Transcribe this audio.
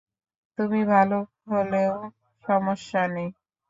তুমি ভালুক হলেও সমস্যা নেই।